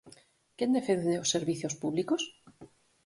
¿Quen defende os servizos públicos?